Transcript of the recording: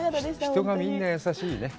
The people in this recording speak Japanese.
人がみんな優しいね。